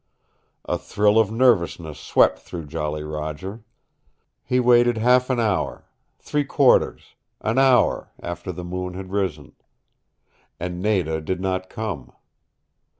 A thrill of nervousness swept through Jolly Roger. He waited half an hour, three quarters, an hour after the moon had risen. And Nada did not come.